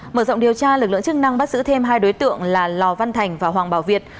mở rộng điều tra lực lượng chức năng bắt giữ thêm hai đối tượng là lò văn thành và hoàng bảo việt